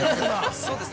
◆そうですね。